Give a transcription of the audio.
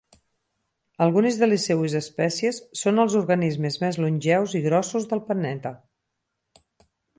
Algunes de les seues espècies són els organismes més longeus i grossos del planeta.